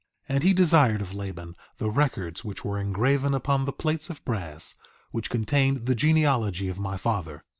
3:12 And he desired of Laban the records which were engraven upon the plates of brass, which contained the genealogy of my father.